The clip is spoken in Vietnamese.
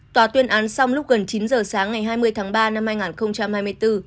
tòa tuyên án xong lúc gần chín giờ sáng ngày hai mươi tháng ba năm hai nghìn hai mươi bốn